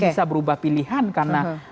bisa berubah pilihan karena